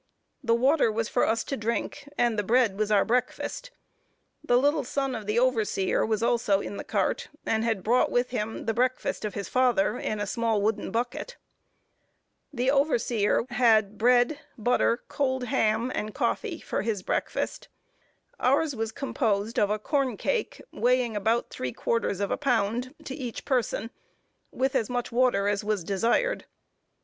The water was for us to drink, and the bread was our breakfast. The little son of the overseer was also in the cart, and had brought with him the breakfast of his father, in a small wooden bucket. The overseer had bread, butter, cold ham, and coffee for his breakfast. Ours was composed of a corn cake, weighing about three quarters of a pound, to each person, with as much water as was desired.